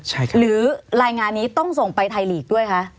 ใช่ครับหรือรายงานนี้ต้องส่งไปไทยลีกด้วยคะ